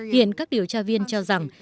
hiện các điều tra viên cho rằng